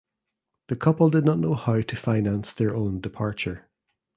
The couple did not know how to finance their own departure.